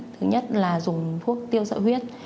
thứ nhất là dùng thuốc tiêu sợi huyết